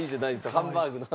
ハンバーグの話。